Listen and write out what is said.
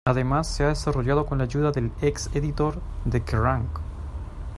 Además se ha desarrollado con la ayuda del ex editor de Kerrang!